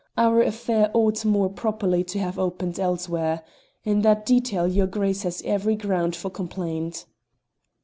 Our affair ought more properly to have opened elsewhere. In that detail your Grace has every ground for complaint."